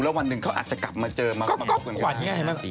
แล้ววันหนึ่งเขาอาจจะกลับมาเจอมากมายกว่านกว่าน